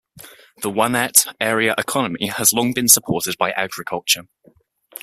The Wanette area economy has long been supported by agriculture.